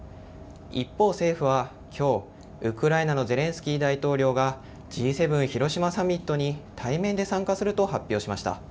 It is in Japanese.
一方、政府はきょうウクライナのゼレンスキー大統領がＧ７広島サミットに対面で参加すると発表しました。